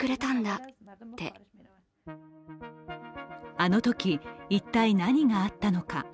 あのとき、一体何があったのか。